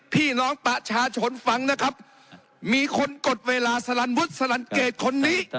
พี่น้องประชาชนฟังนะครับมีคนกดเวลาสลันวุฒิสลันเกตคนนี้